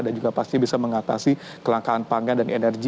dan juga pasti bisa mengatasi kelangkaan pangan dan energi